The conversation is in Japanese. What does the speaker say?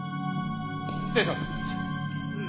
失礼します。